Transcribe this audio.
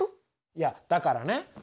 いやだからね